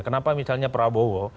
kenapa misalnya prabowo